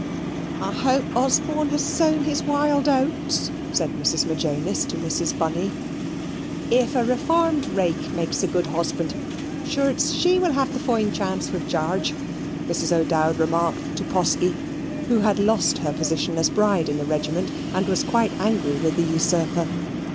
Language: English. "I hope Osborne has sown his wild oats," said Mrs. Magenis to Mrs. Bunny. "If a reformed rake makes a good husband, sure it's she will have the fine chance with Garge," Mrs. O'Dowd remarked to Posky, who had lost her position as bride in the regiment, and was quite angry with the usurper.